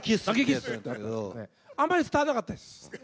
でもあんまり伝わらなかったです。